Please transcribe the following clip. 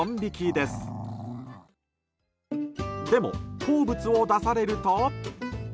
でも、好物を出されると。